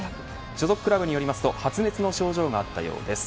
所属クラブによりますと発熱の症状があったそうです。